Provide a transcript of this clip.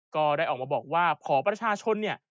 ก็ได้ออกมาบอกว่าขอประชาชนเนี่ย